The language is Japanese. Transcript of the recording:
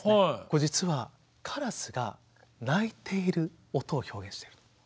これ実はからすが鳴いている音を表現している。